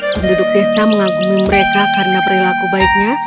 penduduk desa mengagumi mereka karena perilaku baiknya